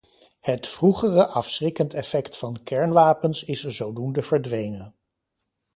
Het vroegere afschrikkend effect van kernwapens is zodoende verdwenen.